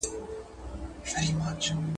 هغه خپل ځان له شره وساتی.